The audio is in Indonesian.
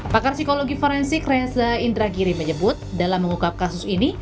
pakar psikologi forensik reza indragiri menyebut dalam mengukap kasus ini